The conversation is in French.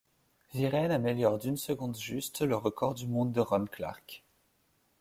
Virén améliore d'une seconde juste le record du monde de Ron Clarke.